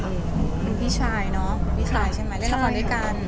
มีพี่ชายเนอะพี่ชายใช่ไหมเล่นละครด้วยกัน